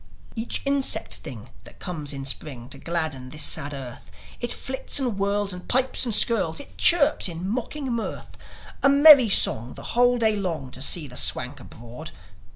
Each insect thing that comes in Spring To gladden this sad earth, It flits and whirls and pipes and skirls, It chirps in mocking mirth A merry song the whole day long To see the Swank abroad.